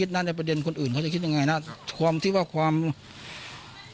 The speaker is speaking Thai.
แต่จริงมันมีแค่๕๐๐กว่าบาท